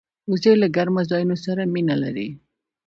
وزې له ګرمو ځایونو سره مینه لري